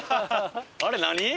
あれ何？